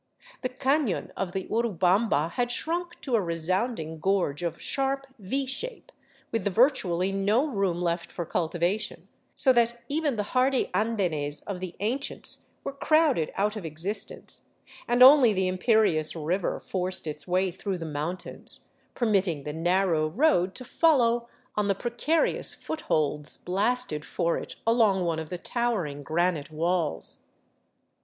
The caiion of the Urubamba had shrunk to a resoimding gorge of sharp V shape, with virtually no room left for cultivation, so that even the hardy andenes of the ancients were crowded out of existence, and only the imperious river forced its way through the mountains, per mitting the narrow road to follow on the precarious footholds blasted for it along one of the towering granite walls.